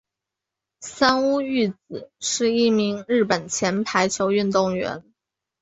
三屋裕子是一名日本前排球运动员。